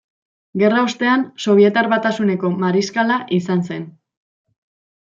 Gerra ostean Sobietar Batasuneko Mariskala izan zen.